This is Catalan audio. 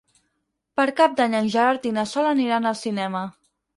Per Cap d'Any en Gerard i na Sol aniran al cinema.